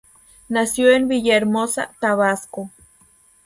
Nació en Villahermosa, Tabasco.